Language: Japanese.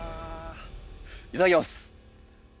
いただきます！